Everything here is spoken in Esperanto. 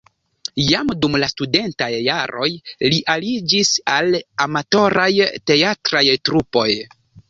Jam dum la studentaj jaroj li aliĝis al amatoraj teatraj trupoj.